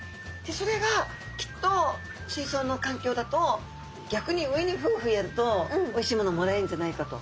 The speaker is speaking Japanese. それがきっと水そうのかんきょうだと逆に上にフーフーやるとおいしいものもらえるんじゃないかと。